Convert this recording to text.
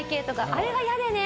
あれが嫌でね。